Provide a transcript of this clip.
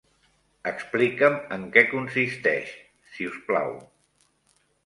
Explica'm en què consisteix, si us plau.